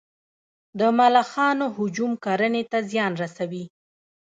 د ملخانو هجوم کرنې ته زیان رسوي؟